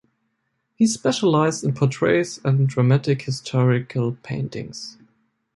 He specialized in portraits and dramatic historical paintings.